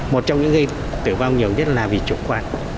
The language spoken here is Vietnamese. một trong những gây tử vong nhiều nhất là vì trụng khoản